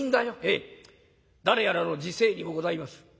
「ええ誰やらの辞世にもございます。